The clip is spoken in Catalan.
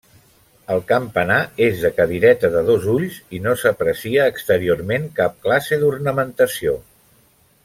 El campanar és de cadireta de dos ulls, i no s'aprecia exteriorment cap classe d'ornamentació.